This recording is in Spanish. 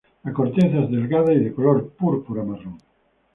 La corteza es delgada y de color púrpura-marrón.